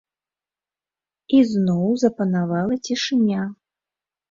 І зноў запанавала цішыня.